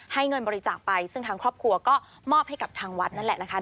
เงินบริจาคไปซึ่งทางครอบครัวก็มอบให้กับทางวัดนั่นแหละนะคะ